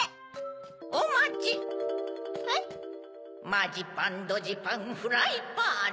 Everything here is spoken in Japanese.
マジパンドジパンフライパン！